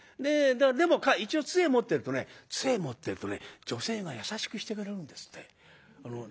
でも一応杖持ってるとね杖持ってるとね女性が優しくしてくれるんですって。